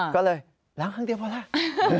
ก็เลยล้างข้างเดียวพอแล้ว